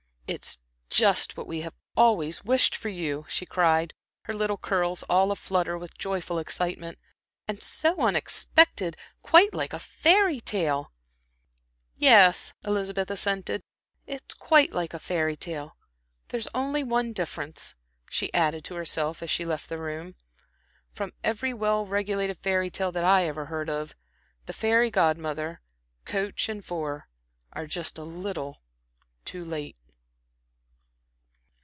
"It's just what we have always wished for you," she cried, her little curls all a'flutter with joyful excitement, "and so unexpected quite like a fairy tale." "Yes," Elizabeth assented, "quite like a fairy tale. There's only one difference," she added to herself, as she left the room, "from every well regulated fairy tale that I ever heard of. The fairy Godmother, coach and four, are just a little too late."